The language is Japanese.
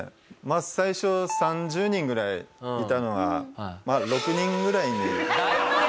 最初３０人ぐらいいたのが６人ぐらいに。